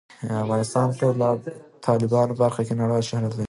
افغانستان د تالابونو په برخه کې نړیوال شهرت لري.